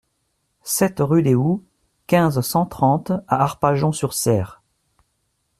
sept rue des Houx, quinze, cent trente à Arpajon-sur-Cère